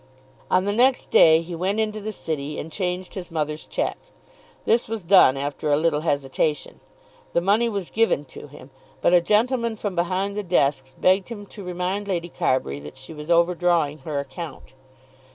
On the next day he went into the City, and changed his mother's cheque. This was done after a little hesitation. The money was given to him, but a gentleman from behind the desks begged him to remind Lady Carbury that she was overdrawing her account.